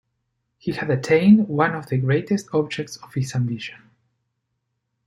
He had attained one of the greatest objects of his ambition.